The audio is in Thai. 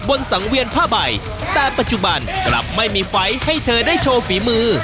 บนสังเวียนผ้าใบแต่ปัจจุบันกลับไม่มีไฟล์ให้เธอได้โชว์ฝีมือ